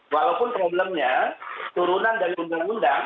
walaupun problemnya turunan dari undang undang